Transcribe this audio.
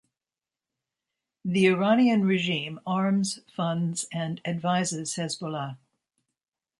The Iranian regime arms, funds, and advises Hezbollah.